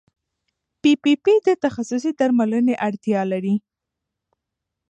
پي پي پي د تخصصي درملنې اړتیا لري.